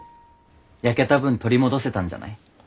焼けた分取り戻せたんじゃない？